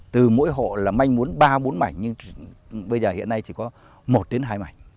từ mỗi hộ là manh mún ba bốn mảnh nhưng bây giờ hiện nay chỉ có một hai mảnh